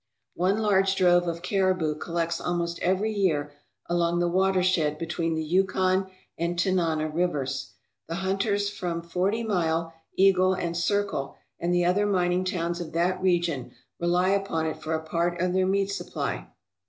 One large drove of caribou collects almost every year along the watershed between the Yukon and Tanana rivers. The hunters from Forty Mile, Eagle, and Circle and the other mining towns of that region rely upon it for a part of their meat supply.